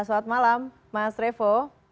selamat malam mas revo